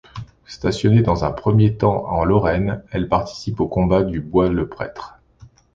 Stationnée dans un premier temps en Lorraine, elle participe aux combats du Bois-le-Prêtre.